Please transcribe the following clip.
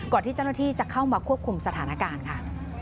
ที่เจ้าหน้าที่จะเข้ามาควบคุมสถานการณ์ค่ะ